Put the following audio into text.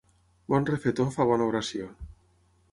Bon refetor fa bona oració.